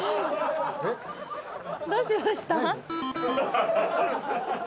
どうしました？